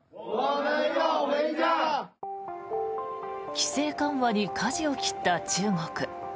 規制緩和にかじを切った中国。